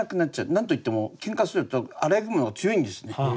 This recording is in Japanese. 何と言ってもけんかすると洗熊の方が強いんですね。